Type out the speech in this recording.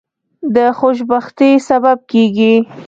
د خوشبختی سبب کیږي.